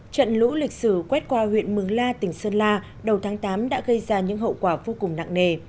trận lũ lịch sử quét qua huyện mường la tỉnh sơn la đầu tháng tám đã gây ra những hậu quả vô cùng nặng nề